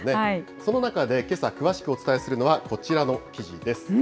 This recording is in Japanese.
その中で、けさ詳しくお伝えするのは、こちらの記事です。